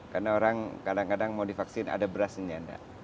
karena orang kadang kadang mau divaksin ada berasnya tidak